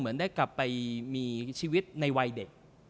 เหมือนได้กลับไปมีชีวิตในวัยเด็ก